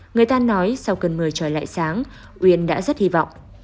người ta nói sau cơn mưa trời lại sáng uyên đã rất hy vọng